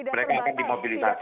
mereka mungkin dimobilisasi